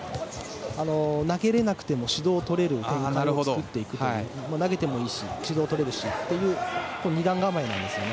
投げれなくても指導を取れる点を作っていく投げてもいいし指導を取れるしという二段構えなんですよね。